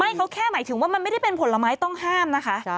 เขาแค่หมายถึงว่ามันไม่ได้เป็นผลไม้ต้องห้ามนะคะ